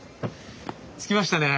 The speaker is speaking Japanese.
着きましたね。